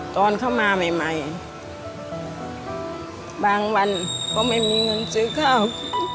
ตอนเข้ามาใหม่บางวันก็ไม่มีเงินซื้อข้าว